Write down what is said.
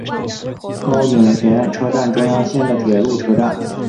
高井田车站中央线的铁路车站。